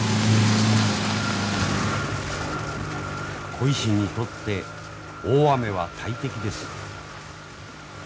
鯉師にとって大雨は大敵です。